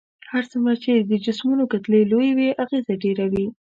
هر څومره چې د جسمونو کتلې لويې وي اغیزه ډیره وي.